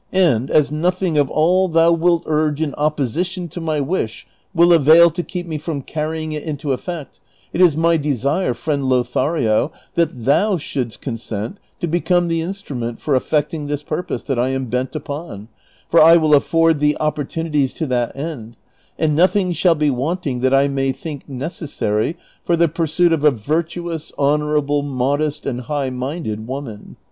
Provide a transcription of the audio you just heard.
And, as nothing of all thou wilt urge in opposition to my wish will avail to keep me from carrj'ing it into eft'ect, it is my desire, friend Lothario, that thou shouldst consent to become the instrument for effecting this purpose that I am bent upon, for I Avill afford thee opportunities to that end, and nothing shall be wanting that I may think necessary for the jjursuit of a virtuous, honorable, modest, and hio:h minded woman.